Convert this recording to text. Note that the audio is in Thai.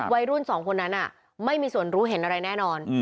วัยรุ่นสองคนนั้นไม่มีส่วนรู้เห็นอะไรแน่นอน